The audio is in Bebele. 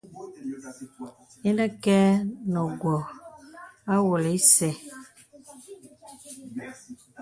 Ìnə kɛ nə wɔ̀ awɔlə ìsɛ.